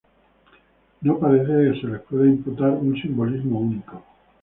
No parece que se les pueda imputar un simbolismo único.